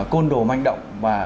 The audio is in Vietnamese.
côn đồ manh động và